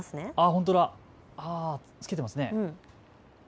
本当だ、着けてますね。